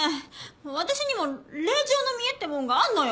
私にも令嬢の見えってものがあるのよ！